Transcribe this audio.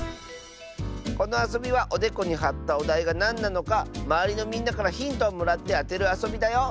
このあそびはおでこにはったおだいがなんなのかまわりのみんなからヒントをもらってあてるあそびだよ。